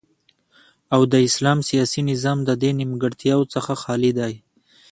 او د اسلام سیاسی نظام ددی نیمګړتیاو څخه خالی دی